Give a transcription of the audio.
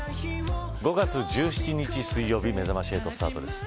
５月１７日水曜日めざまし８スタートです。